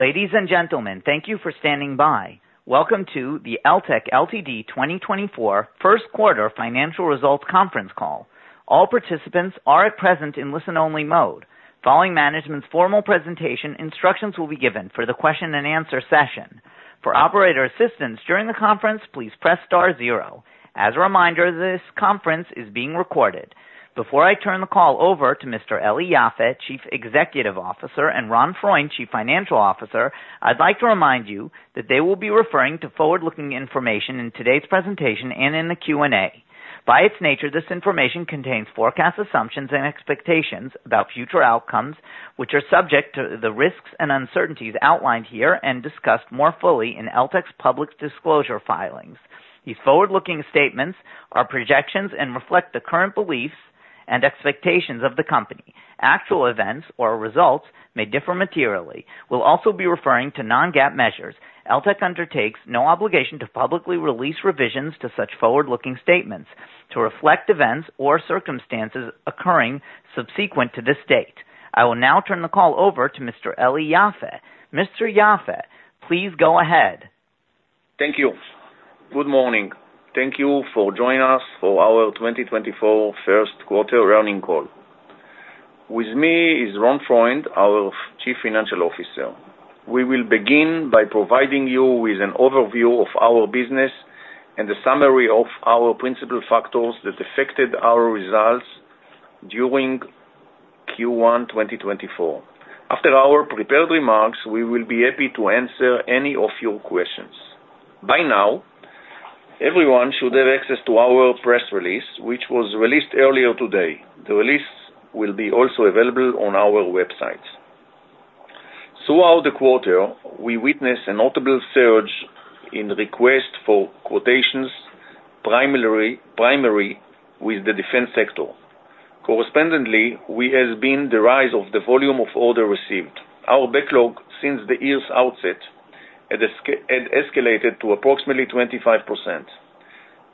Ladies and gentlemen, thank you for standing by. Welcome to the Eltek Ltd. 2024 first quarter financial results conference call. All participants are at present in listen-only mode. Following management's formal presentation, instructions will be given for the question and answer session. For operator assistance during the conference, please press star zero. As a reminder, this conference is being recorded. Before I turn the call over to Mr. Eli Yaffe, Chief Executive Officer, and Ron Freund, Chief Financial Officer, I'd like to remind you that they will be referring to forward-looking information in today's presentation and in the Q&A. By its nature, this information contains forecast assumptions and expectations about future outcomes, which are subject to the risks and uncertainties outlined here and discussed more fully in Eltek's public disclosure filings. These forward-looking statements are projections and reflect the current beliefs and expectations of the company. Actual events or results may differ materially. We'll also be referring to non-GAAP measures. Eltek undertakes no obligation to publicly release revisions to such forward-looking statements to reflect events or circumstances occurring subsequent to this date. I will now turn the call over to Mr. Eli Yaffe. Mr. Yaffe, please go ahead. Thank you. Good morning. Thank you for joining us for our 2024 first quarter earnings call. With me is Ron Freund, our Chief Financial Officer. We will begin by providing you with an overview of our business and a summary of our principal factors that affected our results during Q1 2024. After our prepared remarks, we will be happy to answer any of your questions. By now, everyone should have access to our press release, which was released earlier today. The release will be also available on our website. Throughout the quarter, we witnessed a notable surge in request for quotations, primarily, primary with the defense sector. Correspondingly, we have seen the rise of the volume of orders received. Our backlog since the year's outset has escalated to approximately 25%.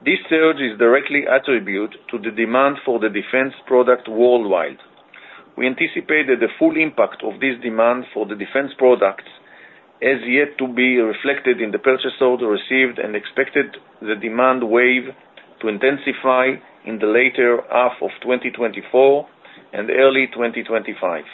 This surge is directly attributed to the demand for the defense product worldwide. We anticipate that the full impact of this demand for the defense products is yet to be reflected in the purchase order received and expected the demand wave to intensify in the later half of 2024 and early 2025.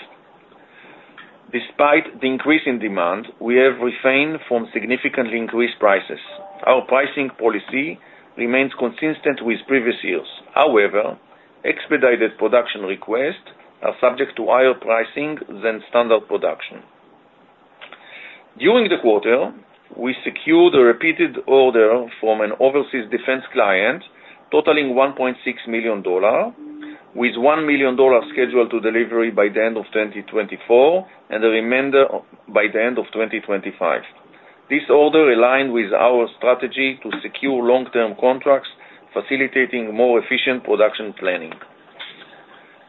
Despite the increase in demand, we have refrained from significantly increased prices. Our pricing policy remains consistent with previous years. However, expedited production requests are subject to higher pricing than standard production. During the quarter, we secured a repeated order from an overseas defense client totaling $1.6 million, with $1 million scheduled to delivery by the end of 2024 and the remainder by the end of 2025. This order aligned with our strategy to secure long-term contracts, facilitating more efficient production planning.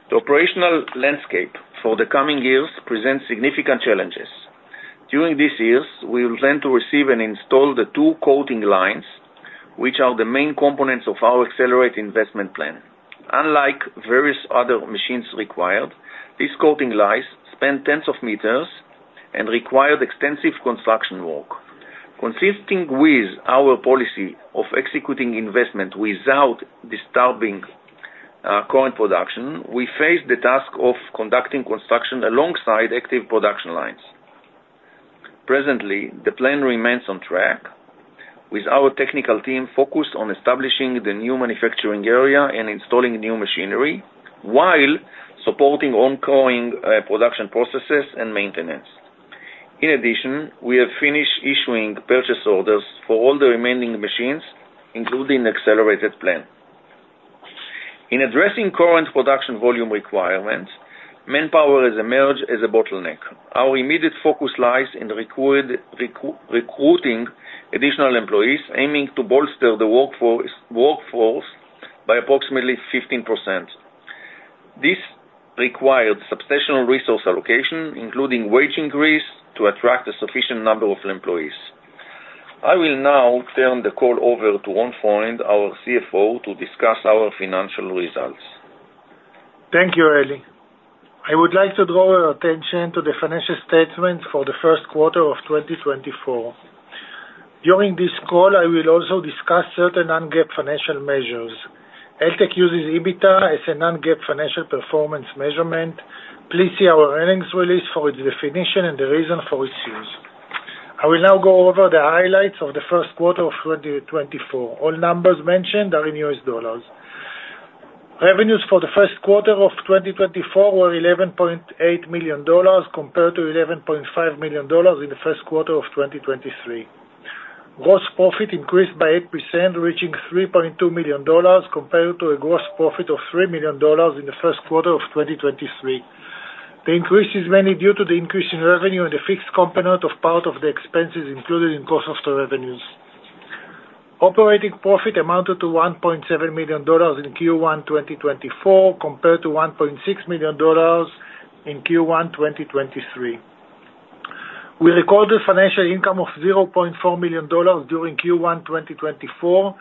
The operational landscape for the coming years presents significant challenges. During these years, we plan to receive and install the two coating lines, which are the main components of our accelerated investment plan. Unlike various other machines required, these coating lines span tens of meters and require extensive construction work. Consistent with our policy of executing investment without disturbing current production, we face the task of conducting construction alongside active production lines. Presently, the plan remains on track, with our technical team focused on establishing the new manufacturing area and installing new machinery while supporting ongoing production processes and maintenance. In addition, we have finished issuing purchase orders for all the remaining machines, including accelerated plan. In addressing current production volume requirements, manpower has emerged as a bottleneck. Our immediate focus lies in recruiting additional employees, aiming to bolster the workforce by approximately 15%. This required substantial resource allocation, including wage increase, to attract a sufficient number of employees. I will now turn the call over to Ron Freund, our CFO, to discuss our financial results. Thank you, Eli. I would like to draw your attention to the financial statements for the first quarter of 2024. During this call, I will also discuss certain non-GAAP financial measures. Eltek uses EBITDA as a non-GAAP financial performance measurement. Please see our earnings release for its definition and the reason for its use. I will now go over the highlights of the first quarter of 2024. All numbers mentioned are in US dollars. Revenues for the first quarter of 2024 were $11.8 million, compared to $11.5 million in the first quarter of 2023. Gross profit increased by 8%, reaching $3.2 million, compared to a gross profit of $3 million in the first quarter of 2023. The increase is mainly due to the increase in revenue and the fixed component of part of the expenses included in cost of the revenues. Operating profit amounted to $1.7 million in Q1 2024, compared to $1.6 million in Q1 2023. We recorded financial income of $0.4 million during Q1 2024...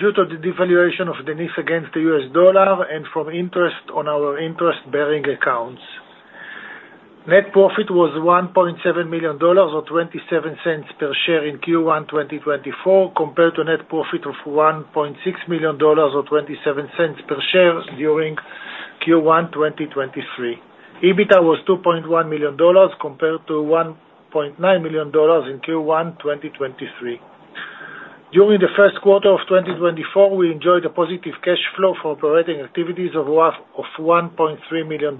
due to the devaluation of the NIS against the US dollar and from interest on our interest-bearing accounts. Net profit was $1.7 million, or $0.27 per share, in Q1 2024, compared to net profit of $1.6 million, or $0.27 per share, during Q1 2023. EBITDA was $2.1 million, compared to $1.9 million in Q1 2023. During the first quarter of 2024, we enjoyed a positive cash flow for operating activities of $1.3 million.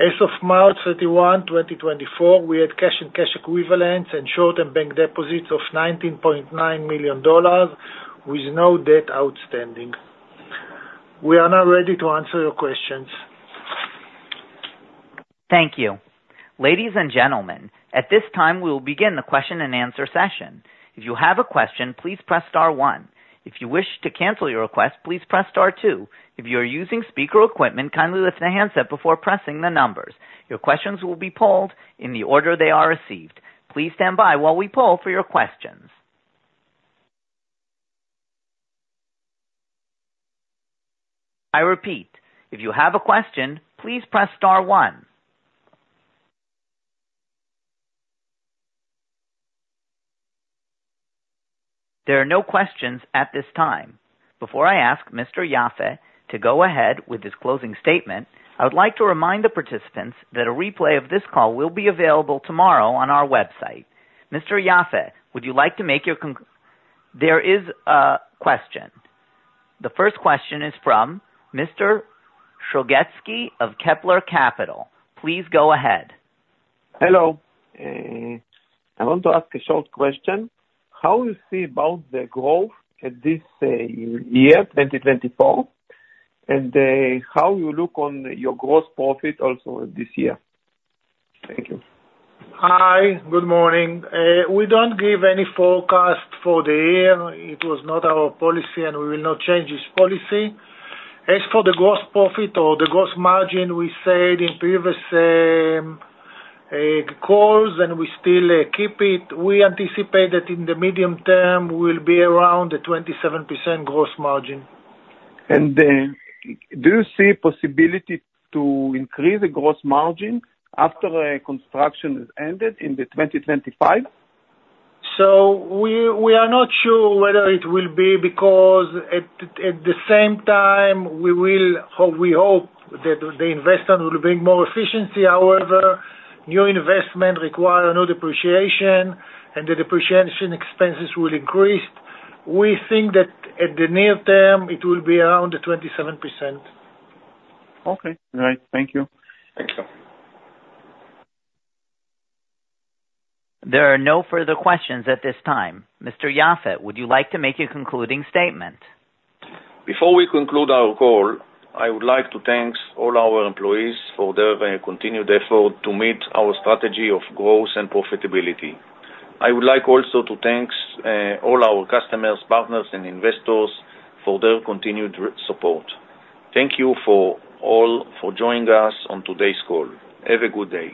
As of March 31, 2024, we had cash and cash equivalents and short-term bank deposits of $19.9 million, with no debt outstanding. We are now ready to answer your questions. Thank you. Ladies and gentlemen, at this time, we will begin the question-and-answer session. If you have a question, please press star one. If you wish to cancel your request, please press star two. If you are using speaker equipment, kindly lift the handset before pressing the numbers. Your questions will be polled in the order they are received. Please stand by while we poll for your questions. I repeat, if you have a question, please press star one. There are no questions at this time. Before I ask Mr. Yaffe to go ahead with his closing statement, I would like to remind the participants that a replay of this call will be available tomorrow on our website. Mr. Yaffe, would you like to make your con- there is a question. The first question is from Mr. Sharogradsky of Kepler Capital. Please go ahead. Hello. I want to ask a short question: How you see about the growth at this year, 2024, and how you look on your gross profit also this year? Thank you. Hi. Good morning. We don't give any forecast for the year. It was not our policy, and we will not change this policy. As for the gross profit or the gross margin, we said in previous calls and we still keep it, we anticipate that in the medium term will be around the 27% gross margin. Do you see possibility to increase the gross margin after the construction is ended in 2025? So we are not sure whether it will be, because at the same time, we hope that the investment will bring more efficiency. However, new investment require a new depreciation, and the depreciation expenses will increase. We think that at the near term, it will be around the 27%. Okay. All right. Thank you. Thank you. There are no further questions at this time. Mr. Yaffe, would you like to make a concluding statement? Before we conclude our call, I would like to thank all our employees for their continued effort to meet our strategy of growth and profitability. I would like also to thank all our customers, partners, and investors for their continued support. Thank you for joining us on today's call. Have a good day.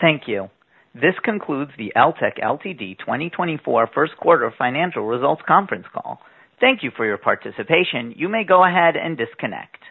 Thank you. This concludes the Eltek Ltd. 2024 first quarter financial results conference call. Thank you for your participation. You may go ahead and disconnect.